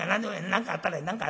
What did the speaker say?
何かあったらええ。